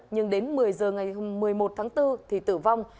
nhưng đến một mươi giờ ngày một mươi một tháng bốn thì tử vong